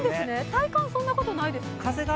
体感、そんなことないですが。